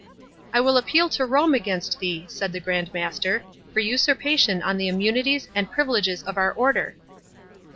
"I will appeal to Rome against thee," said the Grand Master, "for usurpation on the immunities and privileges of our Order."